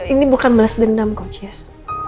ini bukan balas dendam coaches